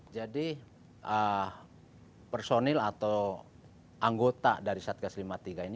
jadi personil atau anggota dari satgas lima puluh tiga ini